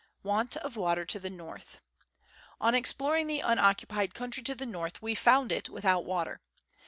Want of Water to tlie North. On exploring the unoccupied country to the north, we found it without water.